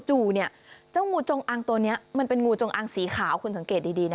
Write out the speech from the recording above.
จู่เนี่ยเจ้างูจงอังตัวนี้มันเป็นงูจงอังสีขาวคุณสังเกตดีนะ